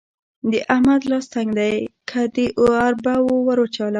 د احمد لاس تنګ دی؛ که دې اربه ور وچلوله.